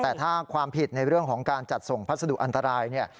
แต่ถ้าความผิดในเรื่องของการจัดส่งพัสดุอันตรายเนี่ย